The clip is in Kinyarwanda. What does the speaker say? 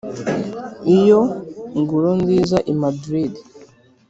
iyo ngoro nziza i madrid,